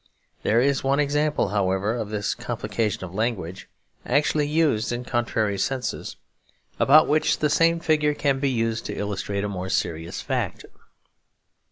There is one example, however, of this complication of language actually used in contrary senses, about which the same figure can be used to illustrate a more serious fact.